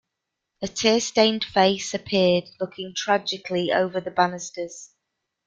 A tear-stained face appeared, looking tragically over the banisters.